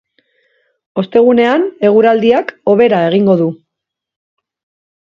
Ostegunean eguraldiak hobera egingo du.